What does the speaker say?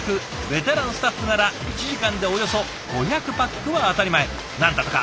ベテランスタッフなら１時間でおよそ５００パックは当たり前なんだとか。